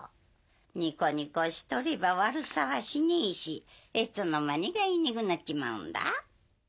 ニコニコしとれば悪さはしねえしいつの間にかいなくなっちまうんだ。